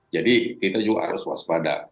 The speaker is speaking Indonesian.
jadi kita juga harus waspada